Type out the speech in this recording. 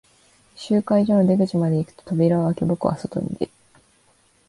集会所の出口まで行くと、扉を開け、僕は外に出る。